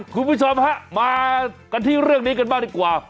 คุณผู้ชมฮะมากันที่เรื่องนี้กันบ้างดีกว่า